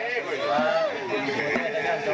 เอากูไทยเนอะ